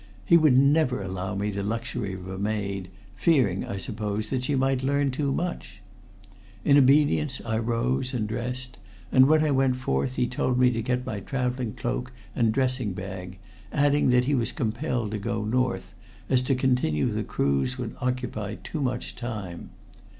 He would never allow me the luxury of a maid, fearing, I suppose, that she might learn too much. In obedience I rose and dressed, and when I went forth he told me to get my traveling cloak and dressing bag, adding that he was compelled to go north, as to continue the cruise would occupy too much time.